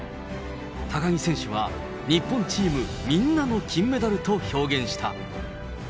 高木選手は、日本チームみんなの金メダルと表現した。